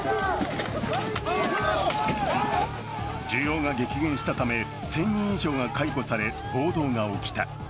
需要が激減したため１０００人以上が解雇され暴動が起きた。